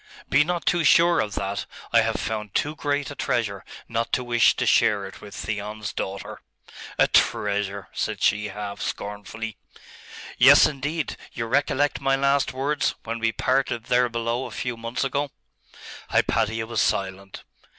'Be not too sure of that. I have found too great a treasure not to wish to share it with Theon's daughter.' 'A treasure?' said she, half scornfully. 'Yes, indeed. You recollect my last words, when we parted there below a few months ago?' Hypatia was silent.